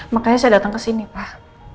makanya saya datang kesini pak